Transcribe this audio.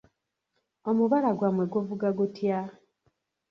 Omubala gwammwe guvuga gutya?